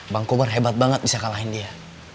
bang kobar hebat banget bisa kalahin dia